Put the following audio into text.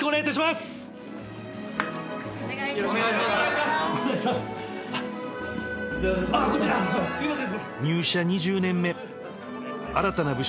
すいません。